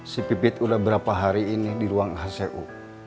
si pipit udah berapa hari ini di ruang hcu